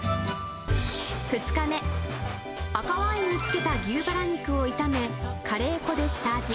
２日目、赤ワインに漬けた牛バラ肉を炒め、カレー粉で下味。